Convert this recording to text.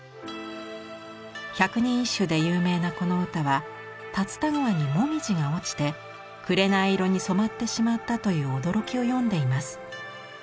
百人一首で有名なこの歌は龍田川に紅葉が落ちて紅色に染まってしまったという驚きを詠んでいます。